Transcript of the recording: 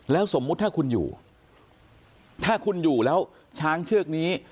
แล้วสมมุติถ้าคุณอยู่ถ้าคุณอยู่แล้วช้างเชือกนี้